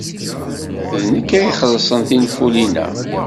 D nekk ay ixellṣen tinfulin-a.